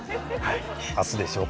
明日でしょうか。